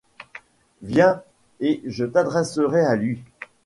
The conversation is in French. Viens et je t'adresserai à lui.